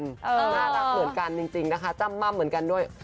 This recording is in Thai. น่ารักเหมือนกันจริงนะคะจ้ำม่ำเหมือนกันด้วย